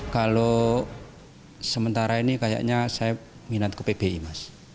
kalau sementara ini kayaknya saya minat ke pbi mas